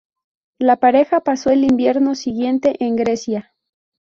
La pareja pasó el invierno siguiente en Grecia.